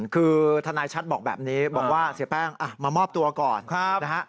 คือทนายชัดบอกแบบนี้บอกว่าเสียแป้งมามอบตัวก่อนนะฮะ